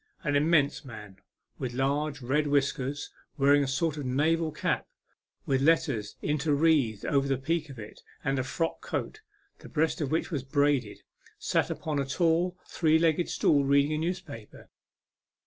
An immense man, with large, red whiskers, wear ing a sort of naval cap with letters interwreathed over the peak of it, and a frock coat, the breast of which was braided, sat upon a tall, three legged stool reading a newspaper.